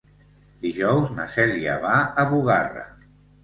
Dijous na Cèlia va a Bugarra.